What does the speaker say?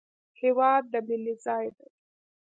هېواد د مینې ځای دی